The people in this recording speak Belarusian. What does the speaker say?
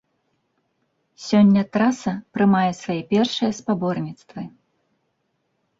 Сёння траса прымае свае першыя спаборніцтвы.